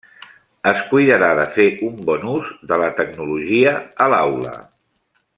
Es cuidarà de fer un bon ús de la tecnologia a l'aula.